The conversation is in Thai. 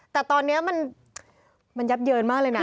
แต่ตอนนี้มันยับเยินมากเลยนะ